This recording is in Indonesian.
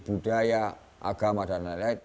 budaya agama dan lain lain